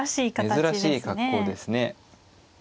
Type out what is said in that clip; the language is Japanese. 珍しい格好ですね。